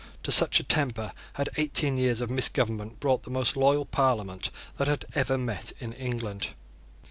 To such a temper had eighteen years of misgovernment brought the most loyal Parliament that had ever met in England.